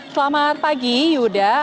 selamat pagi yuda